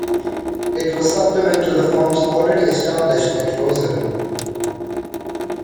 It was supplement to the farms already established at Rose Hill.